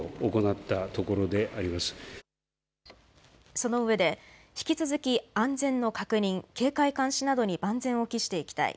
そのうえで引き続き安全の確認、警戒監視などに万全を期していきたい。